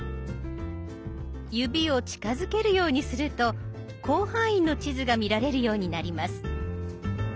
指を近づけるようにすると広範囲の地図が見られるようになります。